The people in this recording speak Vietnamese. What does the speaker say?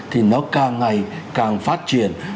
thì nó càng ngày càng phát triển